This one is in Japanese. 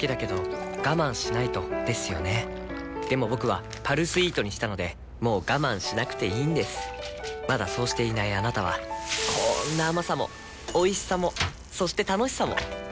僕は「パルスイート」にしたのでもう我慢しなくていいんですまだそうしていないあなたはこんな甘さもおいしさもそして楽しさもあちっ。